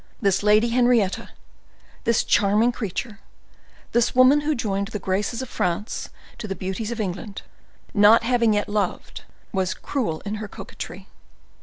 This Lady Henrietta—this charming creature—this woman who joined the graces of France to the beauties of England, not having yet loved, was cruel in her coquetry.